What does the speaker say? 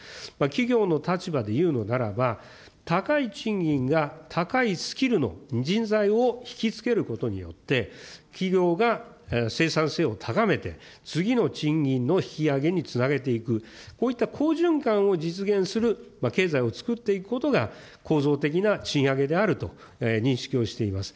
企業の立場でいうのならば、高い賃金が高いスキルの人材を引き付けることによって、企業が生産性を高めて、次の賃金の引き上げにつなげていく、こういった好循環を実現する経済をつくっていくことが構造的な賃上げであると認識をしています。